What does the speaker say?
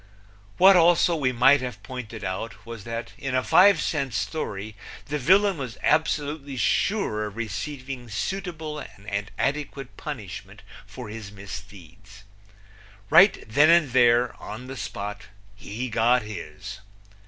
What, also, we might have pointed out was that in a five cent story the villain was absolutely sure of receiving suitable and adequate punishment for his misdeeds. Right then and there, on the spot, he got his.